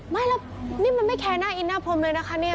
ไม่ล่ะอันนี้มันไม่แคนน่าอินน่าพรมเลยนะคะเนี่ย